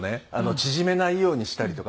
縮めないようにしたりとか。